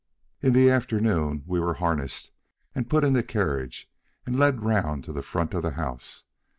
In the afternoon we were harnessed and put in the carriage and led round to the front of the house.